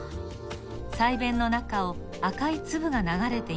鰓弁の中を赤いつぶがながれています。